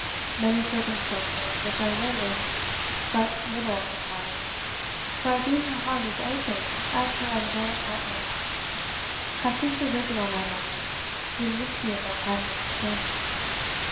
Many circumstances, which I noticed but little at the time for I deemed her heart as open as her angelic countenance have since arisen on my memory, to convince me of their private understanding.